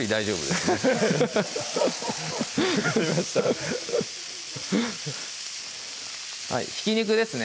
分かりましたひき肉ですね